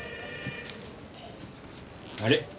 あれ？